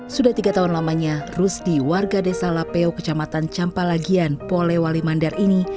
sudah tiga tahun lamanya rusdi warga desa lapeo kecamatan campalagian polewali mandar ini